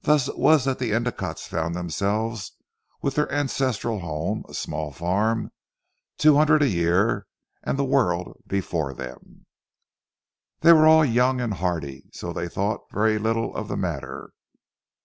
Thus it was that the Endicottes found themselves with their ancestral home, a small farm, two hundred a year, and the world before them. They were all young and hearty so they thought very little of the matter.